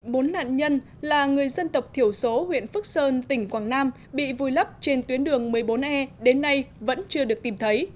bốn nạn nhân là người dân tộc thiểu số huyện phước sơn tỉnh quảng nam bị vùi lấp trên tuyến đường một mươi bốn e đến nay vẫn chưa được tìm thấy